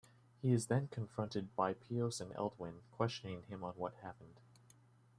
He is then confronted by Pios and Elwyn, questioning him on what happened.